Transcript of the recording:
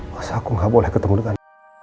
masa aku nggak boleh ketemu dengan